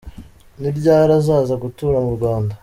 Ni ryari azaza gutura mu Rwanda?.